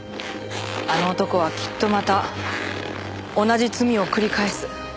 あの男はきっとまた同じ罪を繰り返す。